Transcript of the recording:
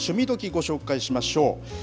ご紹介しましょう。